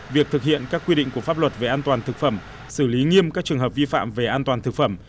việc thực hiện các quy định của pháp luật về an toàn thực phẩm xử lý nghiêm các trường hợp vi phạm về an toàn thực phẩm